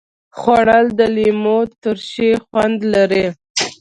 خوړل د لیمو ترشي خوند لري